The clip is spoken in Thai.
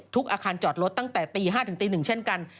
อาคารจอดรถตั้งแต่ตี๕ถึงตี๑เช่นกัน